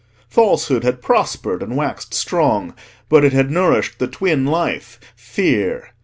Falsehood had prospered and waxed strong; but it had nourished the twin life, Fear.